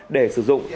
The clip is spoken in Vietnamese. để sử dụng